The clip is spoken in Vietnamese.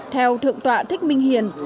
theo thượng tọa thích minh hiền